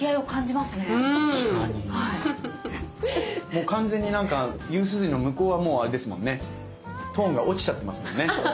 もう完全になんか夕涼みの向こうはもうあれですもんねトーンが落ちちゃってますもんね。